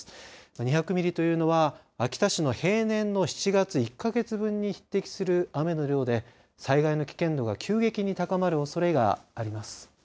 ２００ミリというのは秋田市の平年の７月１か月分に匹敵する雨の量で災害の危険度が急激に高まるおそれがあります。